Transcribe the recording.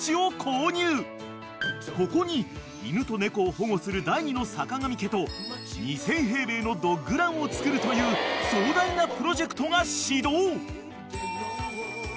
［ここに犬と猫を保護する第２の坂上家と２，０００平米のドッグランを作るという壮大なプロジェクトが始動］